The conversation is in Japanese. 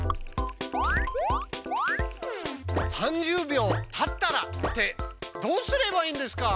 「３０秒たったら」ってどうすればいいんですか？